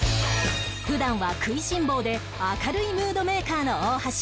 普段は食いしん坊で明るいムードメーカーの大橋